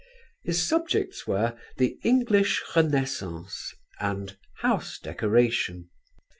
His subjects were "The English Renaissance" and "House Decoration."